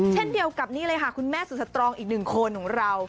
เช่นเดียวกับนี่เลยค่ะคุณแม่สุดสตรองอีกหนึ่งคนของเรา